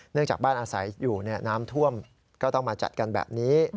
จากบ้านอาศัยอยู่น้ำท่วมก็ต้องมาจัดกันแบบนี้